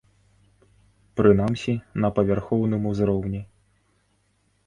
Прынамсі, на павярхоўным узроўні.